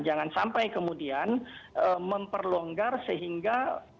jangan sampai kemudian memperlonggar sehingga